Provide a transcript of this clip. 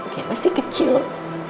dia masih kecil